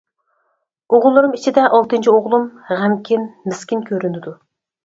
ئوغۇللىرىم ئىچىدە ئالتىنچى ئوغلۇم غەمكىن، مىسكىن كۆرۈنىدۇ.